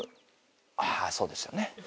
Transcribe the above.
ああそうですよね。